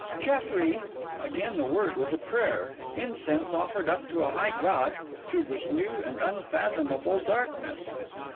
"Jeffrey!" Again the word was a prayer, incense offered up to a high God through this new and unfathomable darkness.